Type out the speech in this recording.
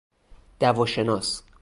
دوا شناس